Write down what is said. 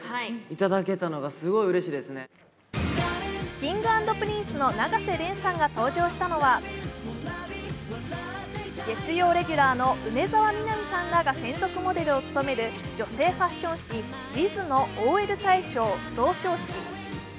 Ｋｉｎｇ＆Ｐｒｉｎｃｅの永瀬廉さんが登場したのは月曜レギュラーの梅澤美波さんらが専属モデルを務める女性ファッション誌「Ｗｉｔｈ」のＯＬ大賞贈賞式。